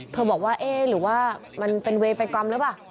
บอกว่าเอ๊ะหรือว่ามันเป็นเวปกรรมหรือเปล่า